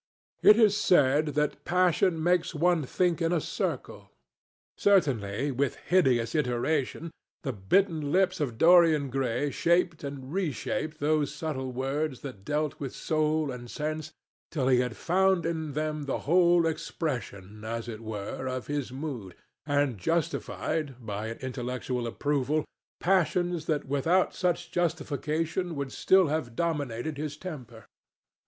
It is said that passion makes one think in a circle. Certainly with hideous iteration the bitten lips of Dorian Gray shaped and reshaped those subtle words that dealt with soul and sense, till he had found in them the full expression, as it were, of his mood, and justified, by intellectual approval, passions that without such justification would still have dominated his temper.